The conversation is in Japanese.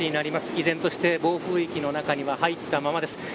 依然として暴風域に入ったままです。